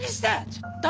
ちょっと！